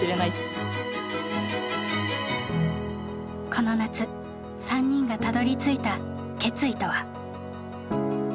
この夏３人がたどりついた決意とは。